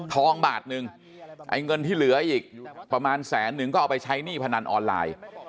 ทองบาทหนึ่งไอ้เงินที่เหลืออีกประมาณแสนนึงก็เอาไปใช้หนี้พนันออนไลน์